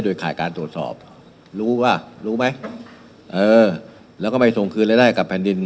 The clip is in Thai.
โดยขาดการตรวจสอบรู้ว่ารู้ไหมเออแล้วก็ไม่ส่งคืนรายได้กับแผ่นดิน